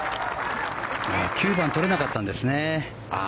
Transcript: ９番取れなかったんですね。